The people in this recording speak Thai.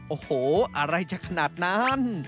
โอ้โหอะไรจะขนาดนั้น